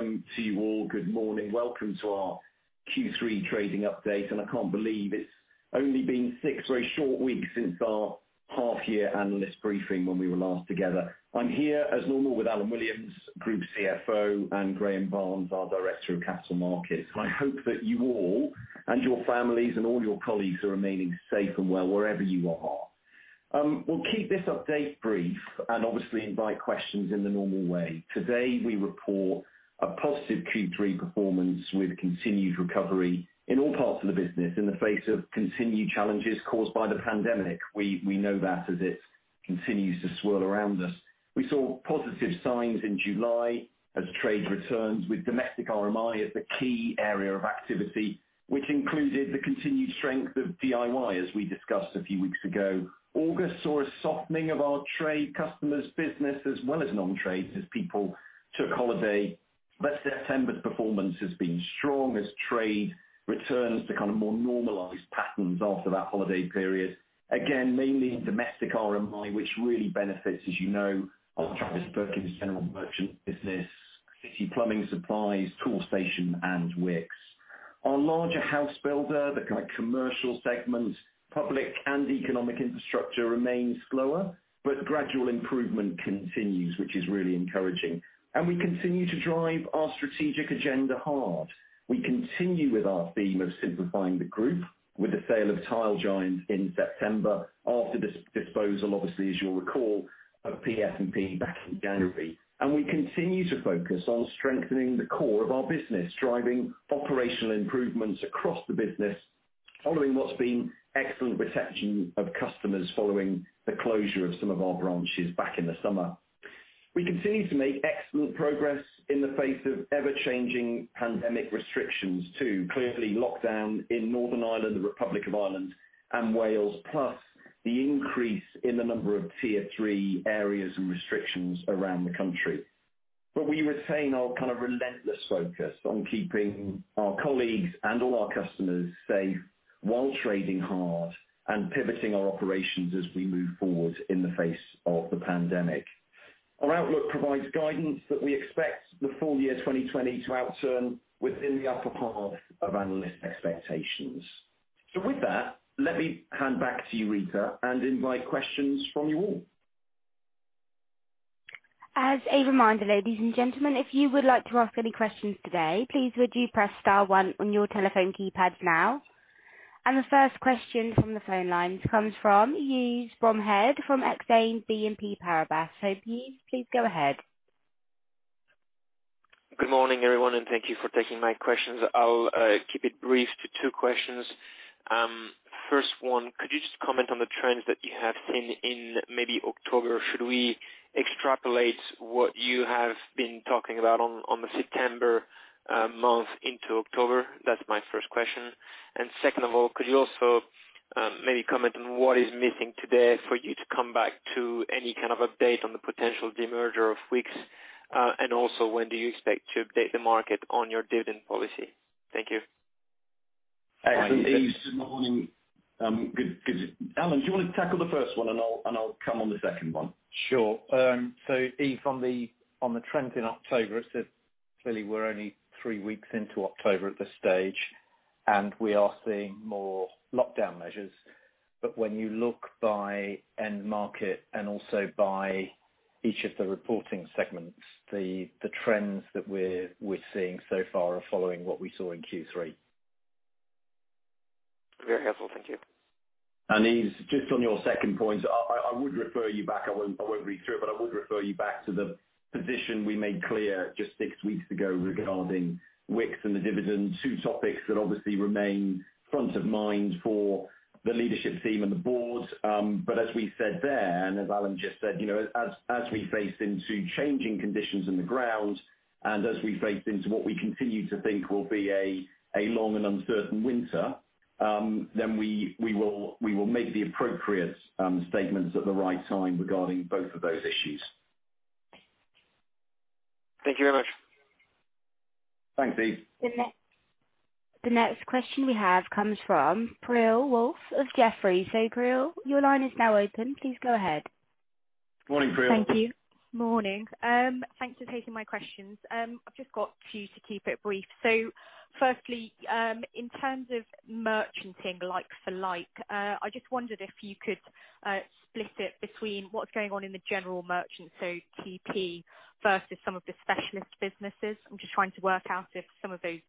Welcome to you all. Good morning. Welcome to our Q3 trading update, I can't believe it's only been six very short weeks since our half-year analyst briefing when we were last together. I'm here as normal with Alan Williams, Group CFO, and Graeme Barnes, our Director of Capital Markets. I hope that you all, and your families, and all your colleagues are remaining safe and well wherever you are. We'll keep this update brief, obviously invite questions in the normal way. Today, we report a positive Q3 performance with continued recovery in all parts of the business in the face of continued challenges caused by the pandemic. We know that as it continues to swirl around us. We saw positive signs in July as trade returns with domestic RMI as the key area of activity, which included the continued strength of DIY, as we discussed a few weeks ago. August saw a softening of our trade customers' business as well as non-trade as people took holiday. September's performance has been strong as trade returns to more normalized patterns after that holiday period. Mainly in domestic RMI, which really benefits, as you know, our Travis Perkins general merchant business, City Plumbing Supplies, Toolstation, and Wickes. Our larger house builder, the commercial segment, public and economic infrastructure remains slower, but gradual improvement continues, which is really encouraging. We continue to drive our strategic agenda hard. We continue with our theme of simplifying the group with the sale of Tile Giant in September after disposal, obviously, as you'll recall, of PF&P back in January. We continue to focus on strengthening the core of our business, driving operational improvements across the business following what's been excellent retention of customers following the closure of some of our branches back in the summer. We continue to make excellent progress in the face of ever-changing pandemic restrictions, too. Clearly, lockdown in Northern Ireland, the Republic of Ireland, and Wales, plus the increase in the number of Tier 3 areas and restrictions around the country. We retain our relentless focus on keeping our colleagues and all our customers safe while trading hard and pivoting our operations as we move forward in the face of the pandemic. Our outlook provides guidance that we expect the full year 2020 to outturn within the upper path of analyst expectations. With that, let me hand back to you, Rita, and invite questions from you all. As a reminder, ladies and gentlemen, if you would like to ask any questions today, please would you press star one on your telephone keypad now. The first question from the phone lines comes from Yves Bromehead from Exane BNP Paribas. Yves, please go ahead. Good morning, everyone, and thank you for taking my questions. I'll keep it brief to two questions. First one, could you just comment on the trends that you have seen in maybe October? Should we extrapolate what you have been talking about on the September month into October? That's my first question. Second of all, could you also maybe comment on what is missing today for you to come back to any kind of update on the potential demerger of Wickes? Also, when do you expect to update the market on your dividend policy? Thank you. Hi Yves, good morning. Alan, do you want to tackle the first one? I'll come on the second one. Sure. Yves, on the trends in October, clearly we're only three weeks into October at this stage, and we are seeing more lockdown measures. When you look by end market and also by each of the reporting segments, the trends that we're seeing so far are following what we saw in Q3. Very helpful. Thank you. Yves, just on your second point, I would refer you back, I won't read through it, but I would refer you back to the position we made clear just six weeks ago regarding Wickes and the dividend, two topics that obviously remain front of mind for the leadership team and the board. As we said there, and as Alan just said, as we face into changing conditions on the ground, and as we face into what we continue to think will be a long and uncertain winter, we will make the appropriate statements at the right time regarding both of those issues. Thank you very much. Thanks, Yves. The next question we have comes from Priyal Woolf of Jefferies. Priyal, your line is now open. Please go ahead. Morning, Priyal. Thank you. Morning. Thanks for taking my questions. I've just got two to keep it brief. Firstly, in terms of merchanting like-for-like, I just wondered if you could split it between what's going on in the General Merchant, so TP, versus some of the specialist businesses. I'm just trying to work out if some of those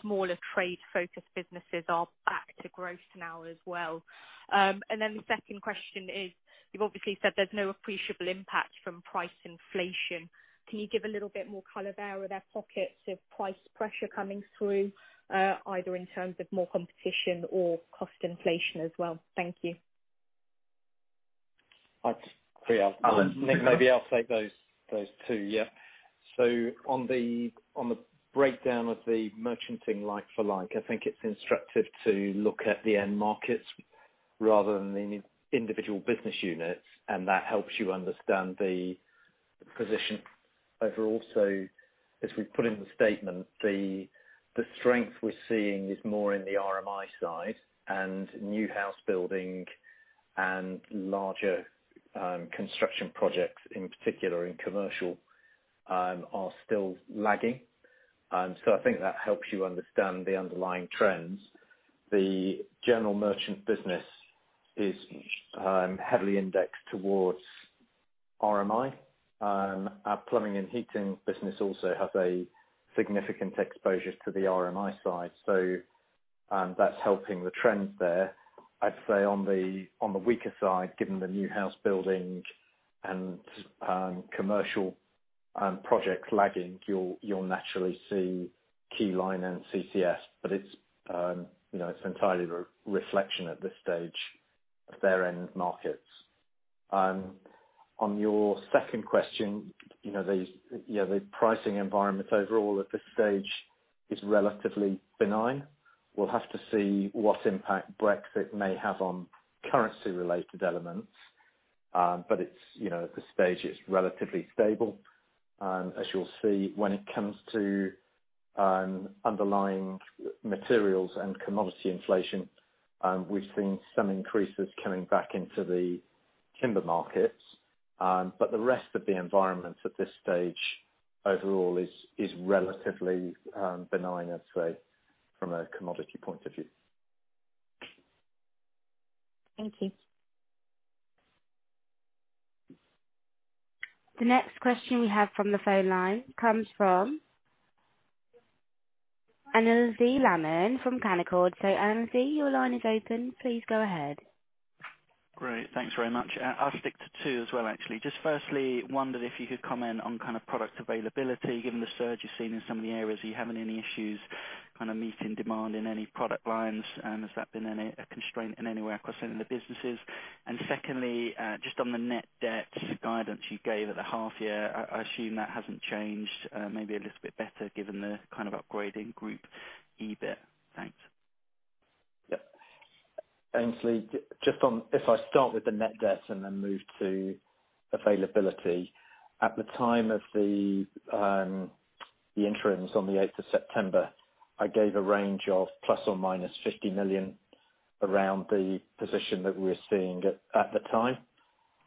smaller trade-focused businesses are back to growth now as well. The second question is, you've obviously said there's no appreciable impact from price inflation. Can you give a little bit more color there? Are there pockets of price pressure coming through, either in terms of more competition or cost inflation as well? Thank you. Priyal, Nick, maybe I'll take those two, yeah. On the breakdown of the merchanting like-for-like, I think it's instructive to look at the end markets rather than the individual business units, and that helps you understand the position overall. As we put in the statement, the strength we're seeing is more in the RMI side and new house building and larger construction projects in particular in commercial are still lagging. I think that helps you understand the underlying trends. The general merchant business is heavily indexed towards RMI. Our plumbing and heating business also has a significant exposure to the RMI side. That's helping the trends there. I'd say on the weaker side, given the new house building and commercial projects lagging, you'll naturally see Keyline and CCF, but it's entirely a reflection at this stage of their end markets. On your second question, the pricing environment overall at this stage is relatively benign. We'll have to see what impact Brexit may have on currency-related elements. At this stage, it's relatively stable. As you'll see, when it comes to underlying materials and commodity inflation, we've seen some increases coming back into the timber markets. The rest of the environment at this stage overall is relatively benign, I'd say, from a commodity point of view. Thank you. The next question we have from the phone line comes from Aynsley Lammin from Canaccord. Aynsley, your line is open. Please go ahead. Great. Thanks very much. I'll stick to two as well, actually. Just firstly, wondered if you could comment on kind of product availability, given the surge you've seen in some of the areas. Are you having any issues kind of meeting demand in any product lines? Has that been a constraint in any way across any of the businesses? Secondly, just on the net debt guidance you gave at the half year, I assume that hasn't changed, maybe a little bit better given the kind of upgrade in Group EBIT. Thanks. Yeah. Thanks, Aynsley. If I start with the net debt and then move to availability. At the time of the interims on the 8th of September, I gave a range of ±50 million around the position that we were seeing at the time.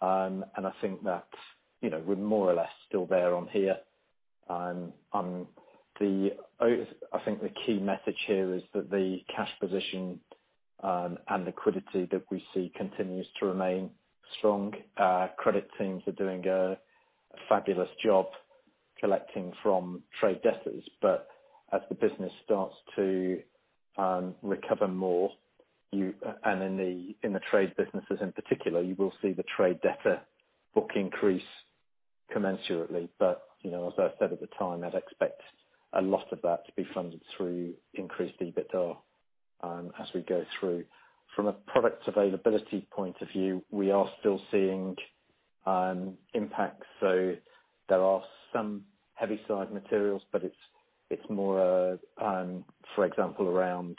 I think that we're more or less still there on here. I think the key message here is that the cash position and liquidity that we see continues to remain strong. Credit teams are doing a fabulous job collecting from trade debtors, but as the business starts to recover more, and in the trade businesses in particular, you will see the trade debtor book increase commensurately. As I said at the time, I'd expect a lot of that to be funded through increased EBITDA as we go through. From a product availability point of view, we are still seeing impacts. There are some heavy side materials, but it's more, for example, around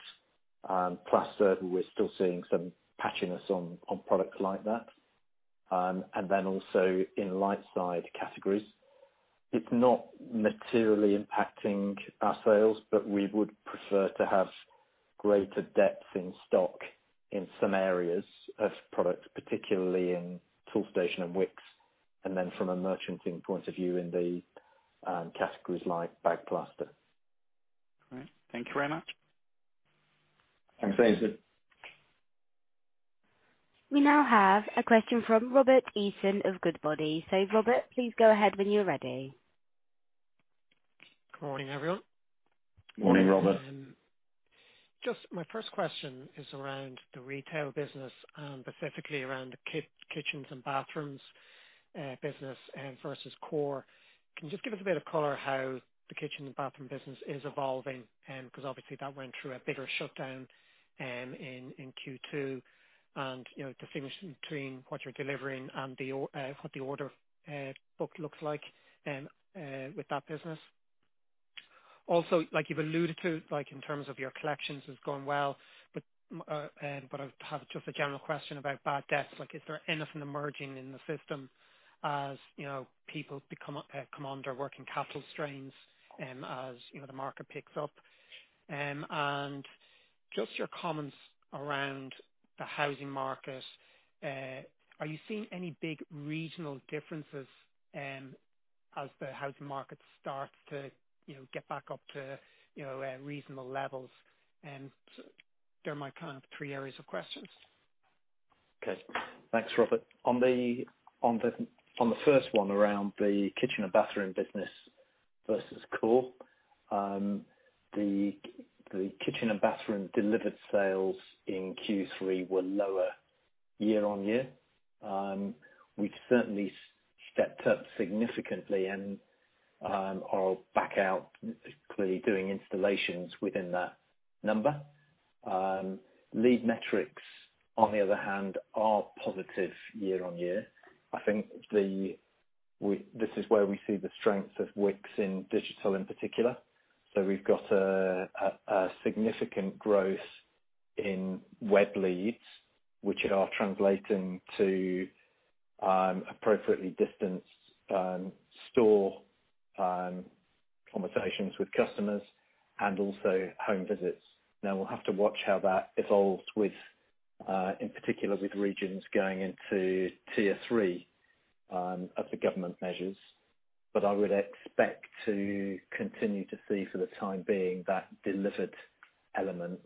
plaster, we are still seeing some patchiness on products like that. Also in light side categories. It's not materially impacting our sales, but we would prefer to have greater depth in stock in some areas of products, particularly in Toolstation and Wickes, and then from a merchanting point of view in the categories like bag plaster. All right. Thank you very much. Thanks, Aynsley. We now have a question from Robert Eason of Goodbody. Robert, please go ahead when you're ready. Good morning, everyone. Morning, Robert. Just my first question is around the retail business and specifically around the kitchens and bathrooms business versus core. Can you just give us a bit of color how the kitchen and bathroom business is evolving? Because obviously that went through a bigger shutdown in Q2 and, distinction between what you're delivering and what the order book looks like with that business. Also, like you've alluded to, in terms of your collections is going well, but I have just a general question about bad debts. Is there anything emerging in the system as people come under working capital strains and as the market picks up? Just your comments around the housing market. Are you seeing any big regional differences as the housing market starts to get back up to reasonable levels? They're my kind of three areas of questions. Okay. Thanks, Robert. On the first one around the kitchen and bathroom business versus core. The kitchen and bathroom delivered sales in Q3 were lower year-over-year. We certainly stepped up significantly and are back out clearly doing installations within that number. Lead metrics, on the other hand, are positive year-over-year. I think this is where we see the strength of Wickes in digital in particular. We've got a significant growth in web leads which are translating to appropriately distanced store conversations with customers and also home visits. Now we'll have to watch how that evolves, in particular, with regions going into Tier 3 of the government measures. I would expect to continue to see for the time being, that delivered element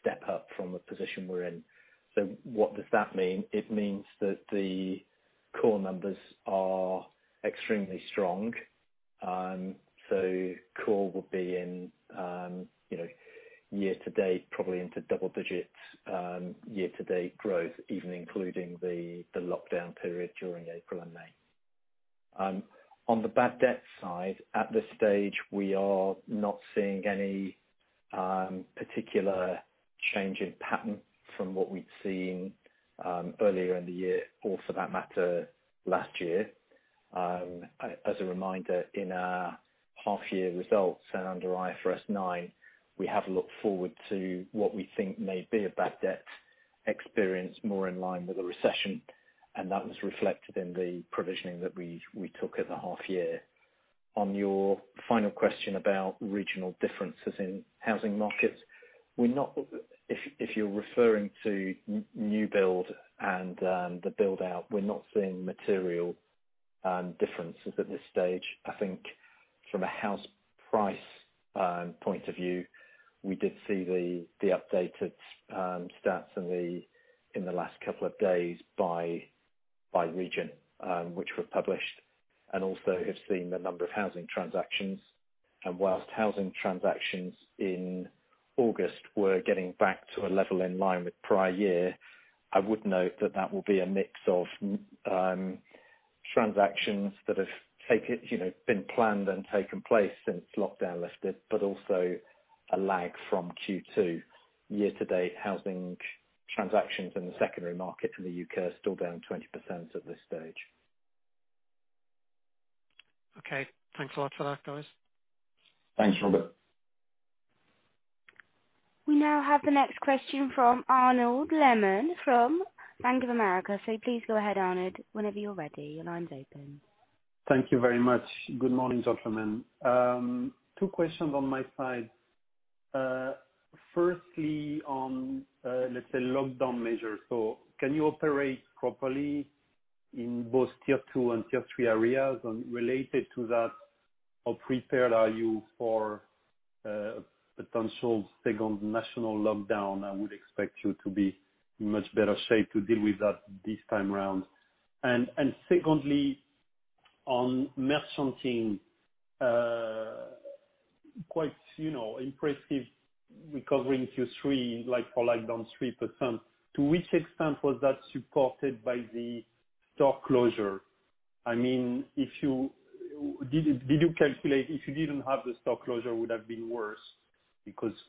step up from the position we're in. What does that mean? It means that the core numbers are extremely strong. Core will be in year-to-date, probably into double digits year-to-date growth, even including the lockdown period during April and May. On the bad debt side, at this stage, we are not seeing any particular change in pattern from what we'd seen earlier in the year, or for that matter, last year. As a reminder, in our half year results and under IFRS 9, we have looked forward to what we think may be a bad debt experience more in line with the recession, and that was reflected in the provisioning that we took at the half year. On your final question about regional differences in housing markets, if you're referring to new build and the build-out, we're not seeing material differences at this stage. I think from a house price point of view, we did see the updated stats in the last couple of days by region, which were published, and also have seen the number of housing transactions. Whilst housing transactions in August were getting back to a level in line with prior year, I would note that that will be a mix of transactions that have been planned and taken place since lockdown lifted, but also a lag from Q2. Year-to-date housing transactions in the secondary market in the U.K. are still down 20% at this stage. Okay. Thanks a lot for that, guys. Thanks, Robert. We now have the next question from Arnaud Lehmann from Bank of America. Please go ahead, Arnaud. Whenever you're ready, your line's open. Thank you very much. Good morning, gentlemen. Two questions on my side. Firstly, on, let's say lockdown measures. Can you operate properly in both Tier 2 and Tier 3 areas? Related to that, how prepared are you for a potential second national lockdown? I would expect you to be in much better shape to deal with that this time around. Secondly, on merchanting. Quite impressive recovery in Q3, like-for-like down 3%. To which extent was that supported by the store closure? Did you calculate if you didn't have the store closure, would have been worse?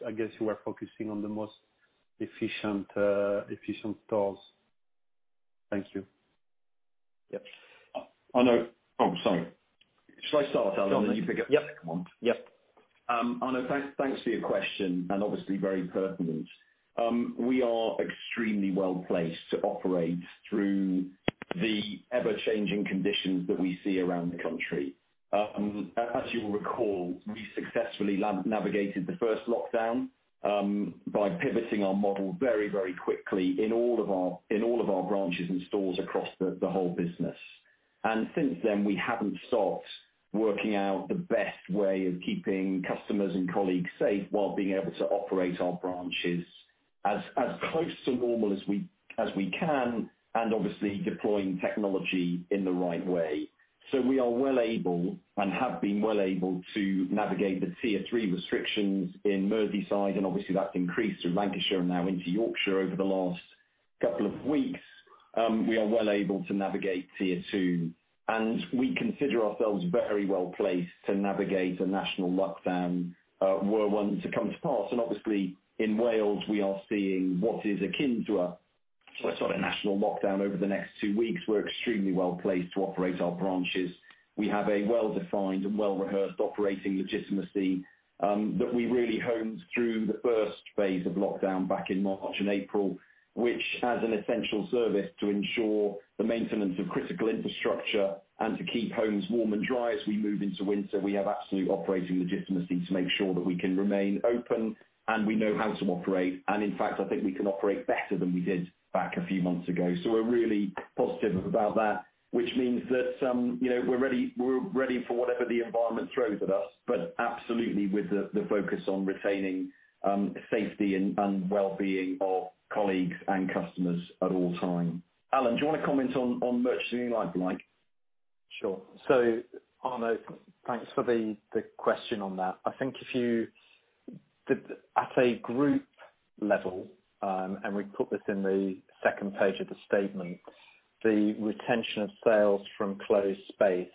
I guess you are focusing on the most efficient stores. Thank you. Yep. Oh, sorry. Should I start, Alan, and then you pick it up? Yep. Arnaud, thanks for your question, and obviously very pertinent. We are extremely well-placed to operate through the ever-changing conditions that we see around the country. As you'll recall, we successfully navigated the first lockdown by pivoting our model very quickly in all of our branches and stores across the whole business. Since then, we haven't stopped working out the best way of keeping customers and colleagues safe while being able to operate our branches as close to normal as we can, obviously deploying technology in the right way. We are well able and have been well able to navigate the Tier 3 restrictions in Merseyside, obviously that's increased through Lancashire and now into Yorkshire over the last couple of weeks. We are well able to navigate Tier 2, we consider ourselves very well placed to navigate a national lockdown were one to come to pass. Obviously in Wales, we are seeing what is akin to a sort of national lockdown over the next two weeks. We're extremely well placed to operate our branches. We have a well-defined and well-rehearsed operating legitimacy that we really honed through the first phase of lockdown back in March and April. Which as an essential service to ensure the maintenance of critical infrastructure and to keep homes warm and dry as we move into winter, we have absolute operating legitimacy to make sure that we can remain open and we know how to operate. In fact, I think we can operate better than we did back a few months ago. We're really positive about that, which means that we're ready for whatever the environment throws at us. Absolutely with the focus on retaining safety and well-being of colleagues and customers at all time. Alan, do you want to comment on merchanting like-for-like? Sure. Arnaud, thanks for the question on that. I think at a group level, and we put this in the second page of the statement, the retention of sales from closed space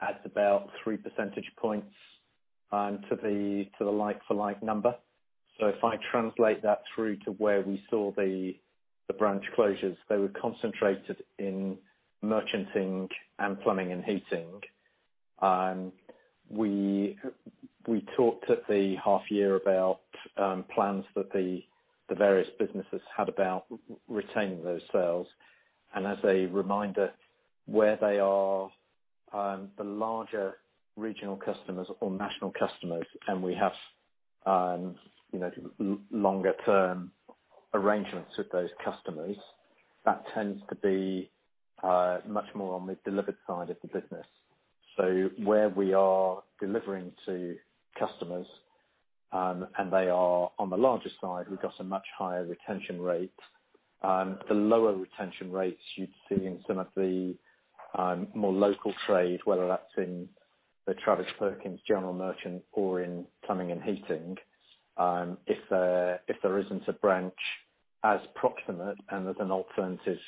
adds about three percentage points to the like-for-like number. If I translate that through to where we saw the branch closures, they were concentrated in merchanting and plumbing and heating. We talked at the half year about plans that the various businesses had about retaining those sales. As a reminder, where they are, the larger regional customers or national customers, and we have longer-term arrangements with those customers, that tends to be much more on the delivered side of the business. Where we are delivering to customers and they are on the larger side, we've got a much higher retention rate. The lower retention rates you'd see in some of the more local trade, whether that's in the Travis Perkins General Merchant or in plumbing and heating. If there isn't a branch as proximate and there's an alternative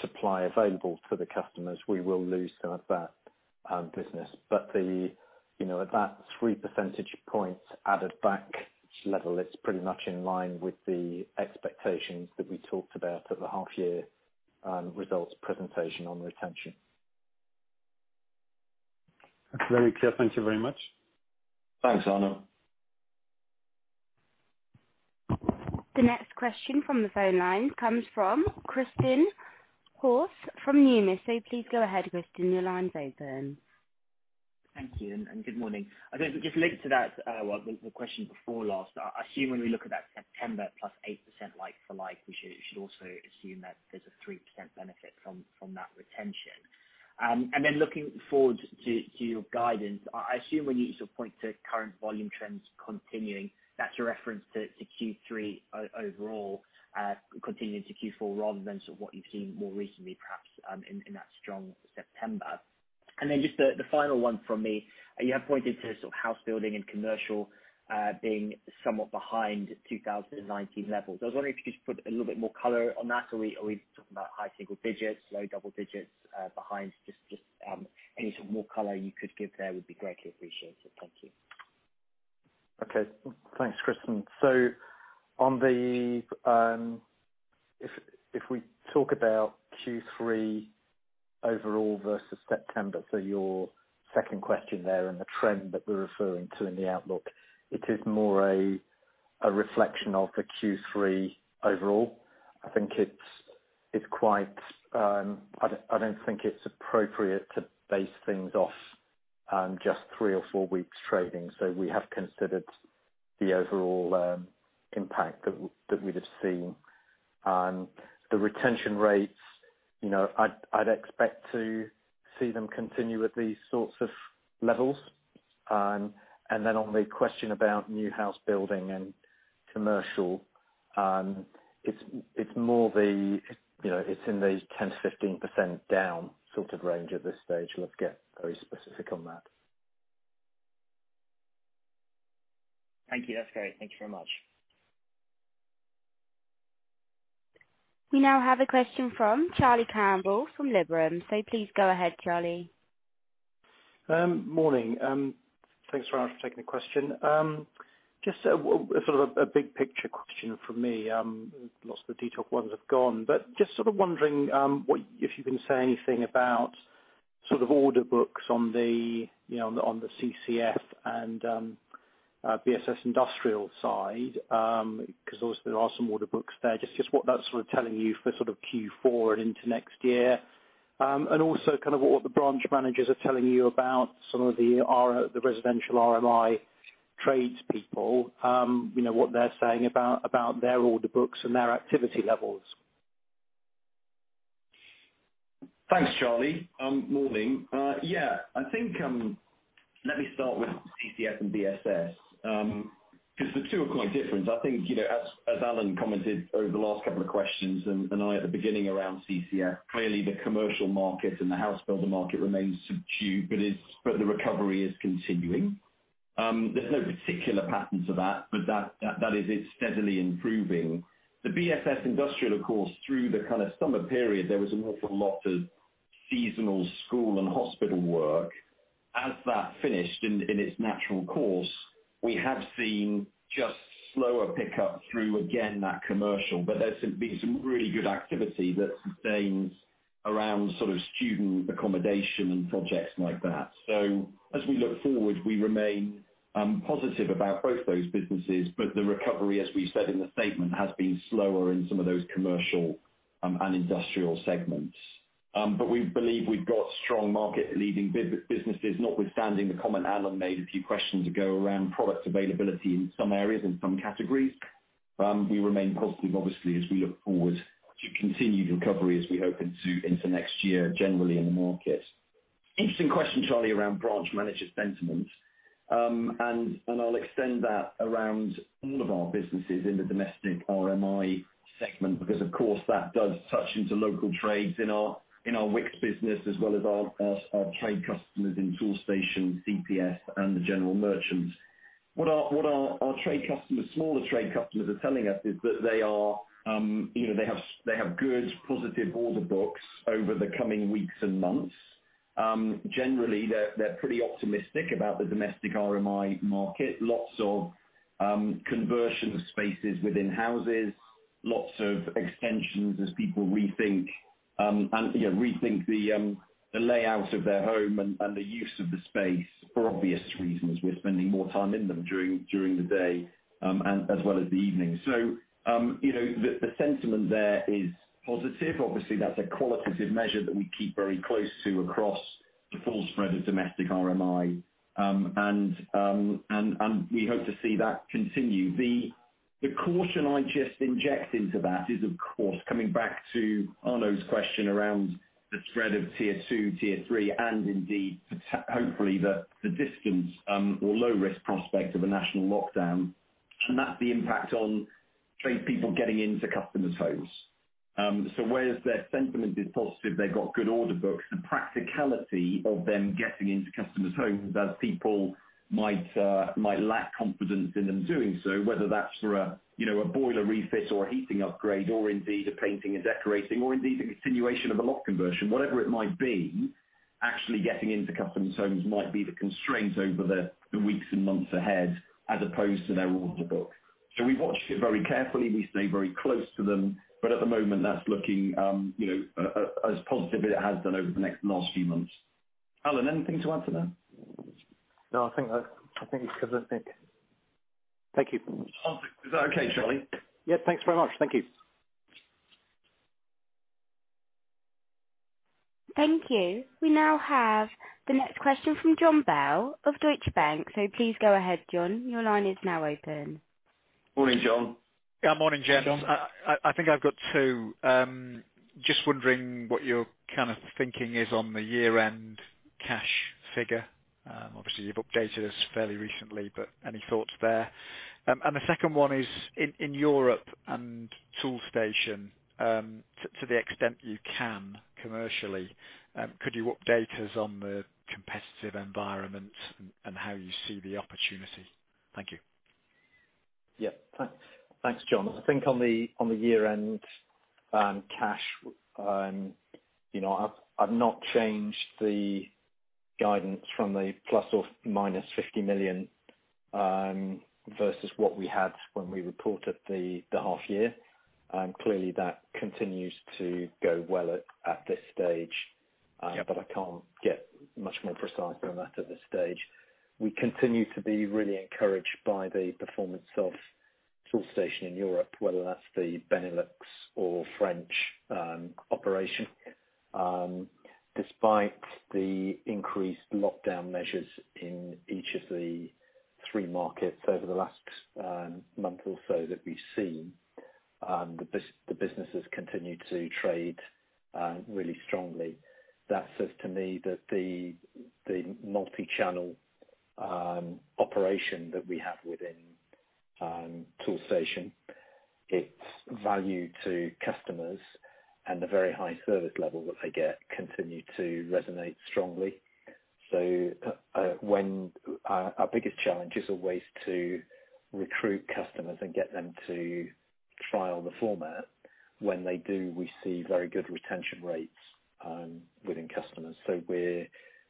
supply available for the customers, we will lose some of that business. At that three percentage points added back level, it's pretty much in line with the expectations that we talked about at the half year results presentation on retention. That's very clear. Thank you very much. Thanks, Arnaud. The next question from the phone line comes from Christen Hjorth from Numis. Please go ahead, Christen, your line's open. Thank you, and good morning. I think just linked to that, the question before last, I assume when we look at that September plus 8% like-for-like, we should also assume that there's a 3% benefit from that retention. Then looking forward to your guidance, I assume when you point to current volume trends continuing, that's a reference to Q3 overall continuing to Q4 rather than what you've seen more recently, perhaps in that strong September. Then just the final one from me. You have pointed to house building and commercial being somewhat behind 2019 levels. I was wondering if you could just put a little bit more color on that. Are we talking about high single digits, low double digits behind? Just any more color you could give there would be greatly appreciated. Thank you. Okay. Thanks, Christen. If we talk about Q3 overall versus September, your second question there and the trend that we're referring to in the outlook, it is more a reflection of the Q3 overall. I don't think it's appropriate to base things off just three or four weeks trading. The retention rates, I'd expect to see them continue at these sorts of levels. On the question about new house building and commercial, it's in the 10%-15% down sort of range at this stage. Let's get very specific on that. Thank you. That's great. Thank you very much. We now have a question from Charlie Campbell from Liberum. Please go ahead, Charlie. Morning. Thanks very much for taking the question. A big picture question from me. Lots of the detailed ones have gone, wondering if you can say anything about order books on the CCF and BSS Industrial side, because obviously there are some order books there. What that's telling you for Q4 and into next year. What the branch managers are telling you about some of the residential RMI trades people, what they're saying about their order books and their activity levels. Thanks, Charlie. Morning. Yeah, I think let me start with CCF and BSS. The two are quite different. I think, as Alan commented over the last couple of questions, and I at the beginning around CCF, clearly the commercial market and the house builder market remains subdued, but the recovery is continuing. There's no particular pattern to that, but that is it's steadily improving. The BSS Industrial, of course, through the kind of summer period, there was an awful lot of seasonal school and hospital work. As that finished in its natural course, we have seen just slower pickup through, again, that commercial. There's been some really good activity that sustains around sort of student accommodation and projects like that. As we look forward, we remain positive about both those businesses. The recovery, as we said in the statement, has been slower in some of those commercial and industrial segments. We believe we've got strong market-leading businesses. Notwithstanding the comment Alan made a few questions ago around product availability in some areas and some categories, we remain positive, obviously, as we look forward to continued recovery as we open into next year, generally in the market. Interesting question, Charlie, around branch manager sentiments. I'll extend that around all of our businesses in the domestic RMI segment, because of course that does touch into local trades in our Wickes business as well as our trade customers in Toolstation, CPS, and the General Merchant. What our smaller trade customers are telling us is that they have good, positive order books over the coming weeks and months. Generally, they're pretty optimistic about the domestic RMI market. Lots of conversion spaces within houses, lots of extensions as people rethink the layout of their home and the use of the space for obvious reasons. We're spending more time in them during the day, as well as the evening. The sentiment there is positive. Obviously, that's a qualitative measure that we keep very close to across the full spread of domestic RMI, and we hope to see that continue. The caution I'd just inject into that is, of course, coming back to Arnaud's question around the spread of Tier 2, Tier 3, and indeed, hopefully the distant or low-risk prospect of a national lockdown, and that's the impact on tradespeople getting into customers' homes. Whereas their sentiment is positive, they've got good order books, the practicality of them getting into customers' homes as people might lack confidence in them doing so, whether that's for a boiler refit or a heating upgrade or indeed a painting and decorating or indeed a continuation of a loft conversion, whatever it might be, actually getting into customers' homes might be the constraint over the weeks and months ahead, as opposed to their order book. We've watched it very carefully. We stay very close to them. At the moment, that's looking as positive as it has done over the last few months. Alan, anything to add to that? No, I think it's comprehensive. Thank you. Is that okay, Charlie? Yeah, thanks very much. Thank you. Thank you. We now have the next question from Jon Bell of Deutsche Bank. Please go ahead, Jon. Your line is now open. Morning, Jon. Morning, gents. I think I've got two. Just wondering what your kind of thinking is on the year-end cash figure. Obviously, you've updated us fairly recently, but any thoughts there? The second one is in Europe and Toolstation, to the extent you can commercially, could you update us on the competitive environment and how you see the opportunity? Thank you. Yeah. Thanks, Jon. I think on the year-end cash, I've not changed the guidance from the ±50 million, versus what we had when we reported the half year. Clearly, that continues to go well at this stage. Yeah I can't get much more precise than that at this stage. We continue to be really encouraged by the performance of Toolstation in Europe, whether that's the Benelux or French operation. Despite the increased lockdown measures in each of the three markets over the last month or so that we've seen, the business has continued to trade really strongly. That says to me that the multi-channel operation that we have within Toolstation, its value to customers and the very high service level that they get continue to resonate strongly. Our biggest challenge is always to recruit customers and get them to trial the format. When they do, we see very good retention rates within customers.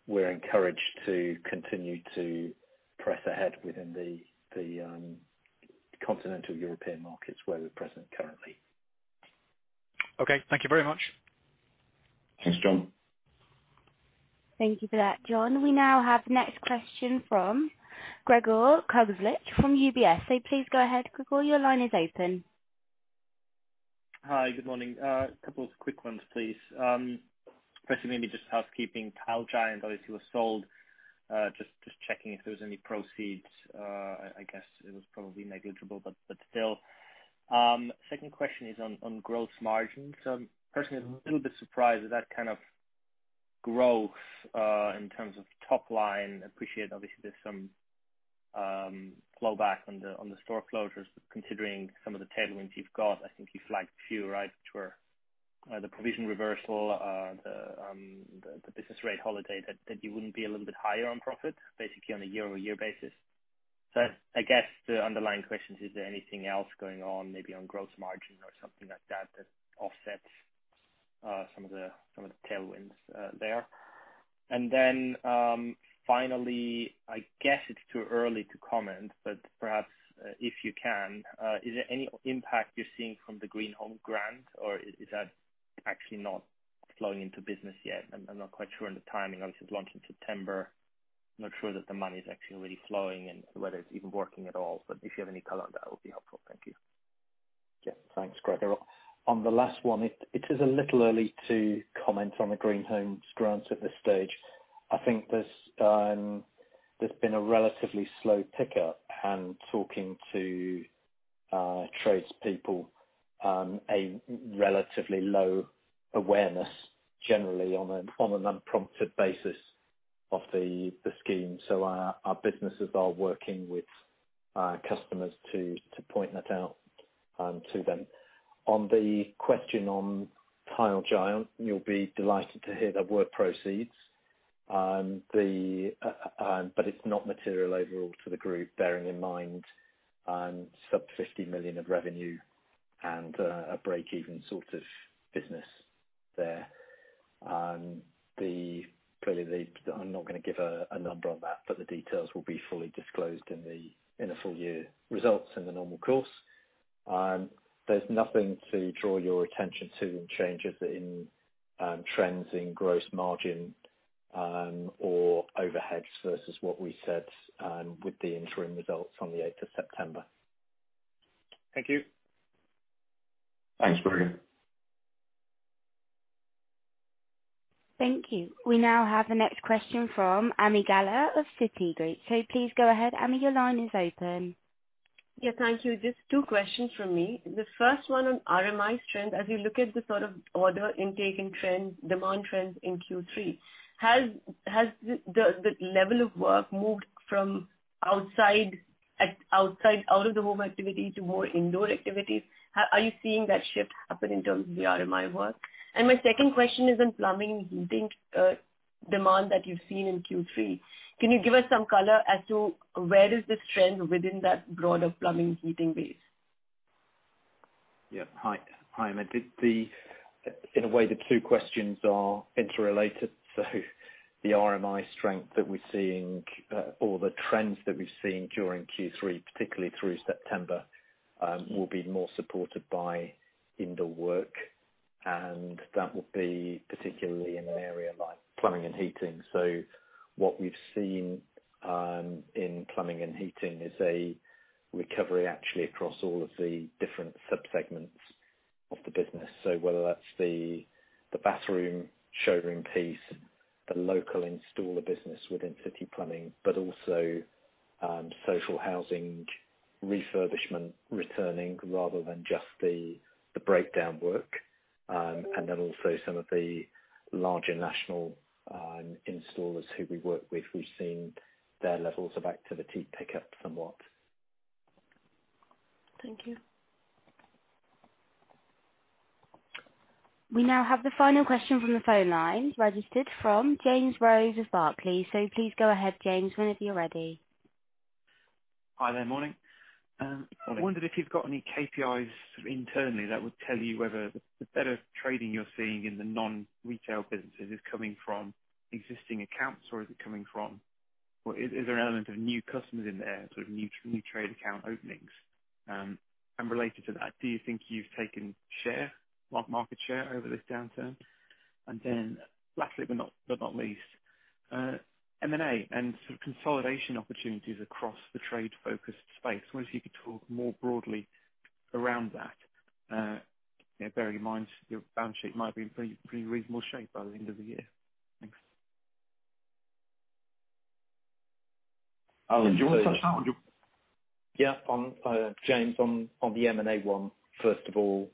We're encouraged to continue to press ahead within the continental European markets where we're present currently. Okay. Thank you very much. Thanks, Jon. Thank you for that, Jon. We now have the next question from Gregor Kuglitsch from UBS. Please go ahead, Gregor. Your line is open. Hi. Good morning. A couple of quick ones, please. First, maybe just housekeeping. Tile Giant, obviously, was sold. Just checking if there were any proceeds. I guess it was probably negligible, but still. Second question is on gross margins. Personally, I'm a little bit surprised at that kind of growth, in terms of top line. I appreciate obviously there's some flow back on the store closures, considering some of the tailwinds you've got, I think you flagged a few, right, which were the provision reversal, the business rate holiday, that you wouldn't be a little bit higher on profit, basically on a year-over-year basis. I guess the underlying question is there anything else going on maybe on gross margin or something like that offsets some of the tailwinds there? Then finally, I guess it's too early to comment, but perhaps, if you can, is there any impact you're seeing from the Green Homes Grant or is that actually not flowing into business yet? I'm not quite sure on the timing. Obviously, it launched in September. I'm not sure that the money is actually already flowing and whether it's even working at all. If you have any color on that, it would be helpful. Thank you. Yeah, thanks, Gregor. On the last one, it is a little early to comment on the Green Homes Grant at this stage. I think there's been a relatively slow pickup and talking to tradespeople, a relatively low awareness generally on an unprompted basis of the scheme. Our businesses are working with our customers to point that out to them. On the question on Tile Giant, you'll be delighted to hear there were proceeds. It's not material overall to the group, bearing in mind sub 50 million of revenue and a break-even sort of business there. Clearly I'm not going to give a number on that, but the details will be fully disclosed in the full year results in the normal course. There's nothing to draw your attention to in changes in trends in gross margin or overheads versus what we said with the interim results on the 8th of September. Thank you. Thanks, Gregor. Thank you. We now have the next question from Ami Galla of Citigroup. Please go ahead, Ami, your line is open. Yes, thank you. Just two questions from me. The first one on RMI strength. As you look at the sort of order intake in demand trends in Q3, has the level of work moved from out of the home activity to more indoor activities? Are you seeing that shift happen in terms of the RMI work? My second question is on plumbing and heating demand that you've seen in Q3. Can you give us some color as to where does this trend within that broader plumbing heating base? Yeah. Hi, Ami. In a way, the two questions are interrelated. The RMI strength that we're seeing or the trends that we've seen during Q3, particularly through September, will be more supported by indoor work, and that would be particularly in an area like plumbing and heating. What we've seen in plumbing and heating is a recovery actually across all of the different sub-segments of the business. Whether that's the bathroom showroom piece, the local installer business within City Plumbing, but also social housing refurbishment returning rather than just the breakdown work. Also some of the larger national installers who we work with, we've seen their levels of activity pick up somewhat. Thank you. We now have the final question from the phone line registered from James Rose of Barclays. Please go ahead, James, whenever you're ready. Hi there. Morning. Morning. I wondered if you've got any KPIs internally that would tell you whether the better trading you're seeing in the non-retail businesses is coming from existing accounts or is there an element of new customers in there, sort of new trade account openings? Related to that, do you think you've taken market share over this downturn? Lastly, but not least, M&A and sort of consolidation opportunities across the trade-focused space. I wonder if you could talk more broadly around that. Bearing in mind your balance sheet might be in pretty reasonable shape by the end of the year. Thanks. Alan, do you want to touch that one? James, on the M&A one, first of all,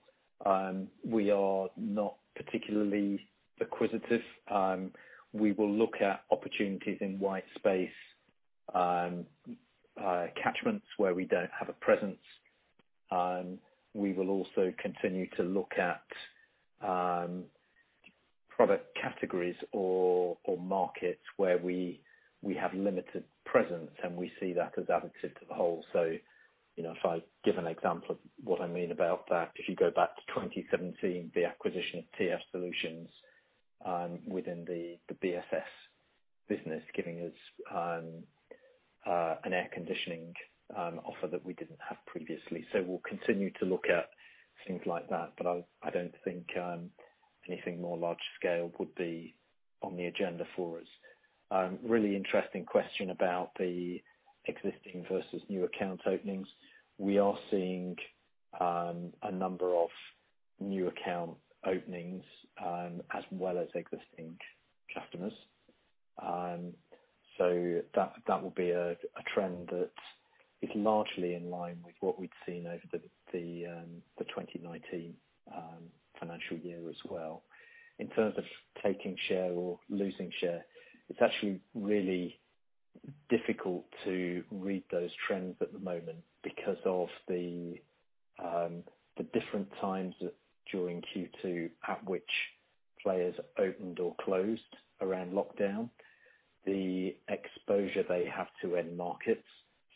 we are not particularly acquisitive. We will look at opportunities in white space, catchments where we don't have a presence. We will also continue to look at product categories or markets where we have limited presence, and we see that as additive to the whole. If I give an example of what I mean about that, if you go back to 2017, the acquisition of TF Solutions within the BSS business, giving us an air conditioning offer that we didn't have previously. We'll continue to look at things like that, but I don't think anything more large scale would be on the agenda for us. Really interesting question about the existing versus new account openings. We are seeing a number of new account openings, as well as existing customers. That will be a trend that is largely in line with what we'd seen over the 2019 financial year as well. In terms of taking share or losing share, it's actually really difficult to read those trends at the moment because of the different times during Q2 at which players opened or closed around lockdown, the exposure they have to end markets.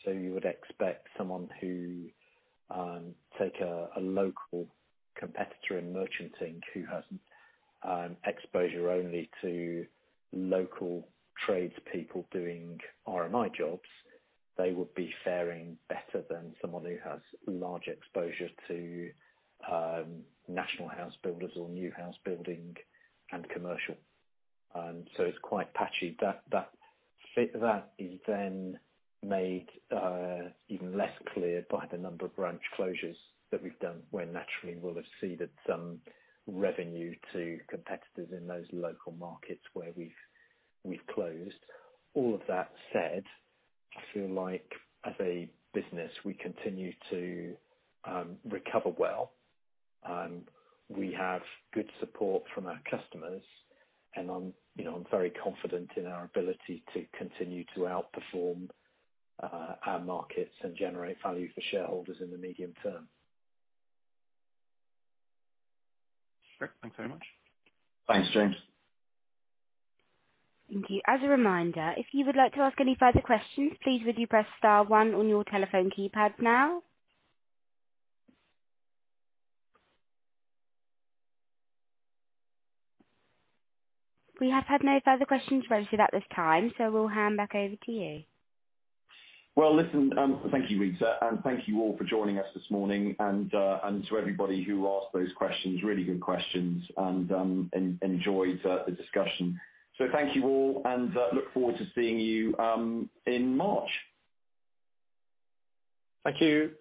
You would expect someone who take a local competitor in merchanting who has exposure only to local tradespeople doing RMI jobs, they would be faring better than someone who has large exposure to national house builders or new house building and commercial. It's quite patchy. That is then made even less clear by the number of branch closures that we've done where naturally we'll have ceded some revenue to competitors in those local markets where we've closed. All of that said, I feel like as a business, we continue to recover well. We have good support from our customers, and I'm very confident in our ability to continue to outperform our markets and generate value for shareholders in the medium term. Sure. Thanks very much. Thanks, James. Thank you. As a reminder, if you would like to ask any further questions, please would you press star one on your telephone keypad now? We have had no further questions registered at this time, so we'll hand back over to you. Well, listen, thank you, Rita, and thank you all for joining us this morning and to everybody who asked those questions, really good questions, and enjoyed the discussion. Thank you all, and look forward to seeing you in March. Thank you.